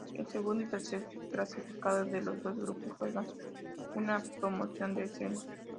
El segundo y tercer clasificado de los dos grupos juegan una promoción de ascenso.